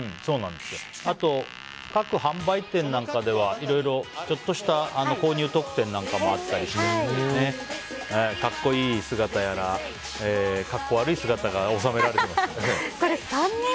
あと、各販売店なんかではいろいろちょっとした購入特典なんかもあったり格好いい姿やら格好悪い姿が収められてますので。